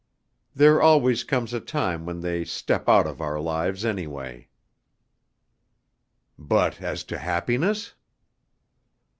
There always comes a time when they step out of our lives, anyway." "But as to happiness?"